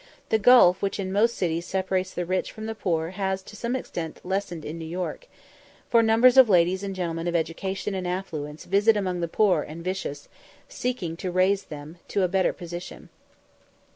The gulf which in most cities separates the rich from the poor has been to some extent lessened in New York; for numbers of ladies and gentlemen of education and affluence visit among the poor and vicious, seeking to raise them to a better position.